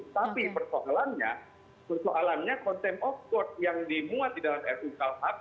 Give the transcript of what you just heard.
tapi persoalannya persoalannya contempt of court yang dimuat di dalam rukuhp